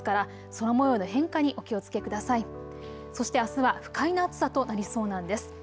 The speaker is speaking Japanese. そして、あすは不快な暑さとなりそうなんです。